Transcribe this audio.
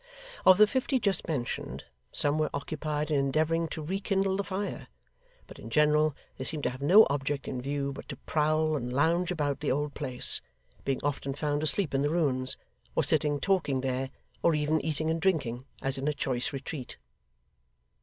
Of the fifty just mentioned, some were occupied in endeavouring to rekindle the fire; but in general they seemed to have no object in view but to prowl and lounge about the old place: being often found asleep in the ruins, or sitting talking there, or even eating and drinking, as in a choice retreat.